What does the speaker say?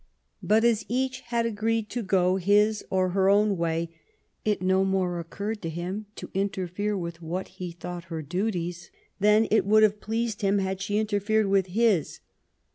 But^ as each had agreed to go his and her own way, it no more occurred to him to interfere with what he thought her duties, than it would have pleased him had she interfered with his.